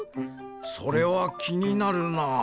それはきになるな。